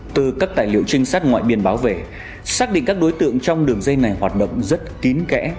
từ các tài liệu trinh sát ngoại biên báo về xác định các đối tượng trong đường dây này hoạt động rất kín kẽ